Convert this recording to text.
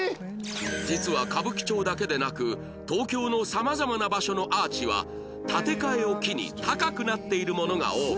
実は歌舞伎町だけでなく東京の様々な場所のアーチは建て替えを機に高くなっているものが多く